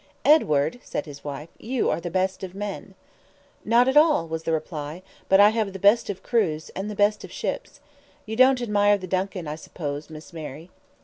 "Edward," said his wife, "you are the best of men." "Not at all," was the reply; "but I have the best of crews and the best of ships. You don't admire the DUNCAN, I suppose, Miss Mary?"